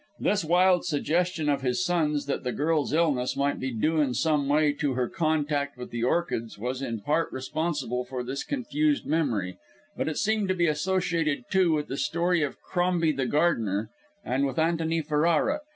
This wild suggestion of his son's, that the girl's illness might be due in some way to her contact with the orchids, was in part responsible for this confused memory, but it seemed to be associated, too, with the story of Crombie the gardener and with Antony Ferrara.